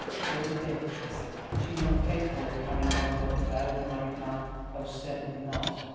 Dear Beatrice, she is not capable of carrying on a love affair with a married man—oh, certainly not!